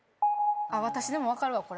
あっ私でも分かるわ